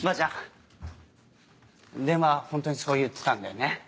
電話ホントにそう言ってたんだよね？